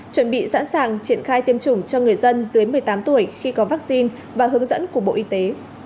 chuẩn bị sẵn sàng triển khai tiêm chủng cho người dân dưới một mươi tám tuổi khi có vaccine và hướng dẫn của bộ y tế